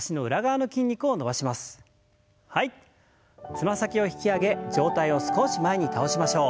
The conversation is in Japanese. つま先を引き上げ上体を少し前に倒しましょう。